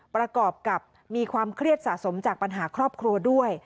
ประกอบกับมีความเครียดสะสมจากปัญหาครอบครัวด้วย